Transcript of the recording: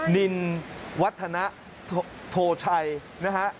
นินวัฒนโทชัยนะฮะ